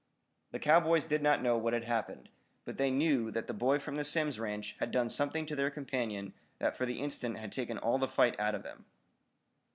The cowboys did not know what had happened, but they knew that the boy from the Simms ranch had done something to their companion that for the instant had taken all of the fight out of him.